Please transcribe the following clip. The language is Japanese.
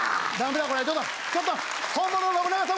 これちょっと本物の信長様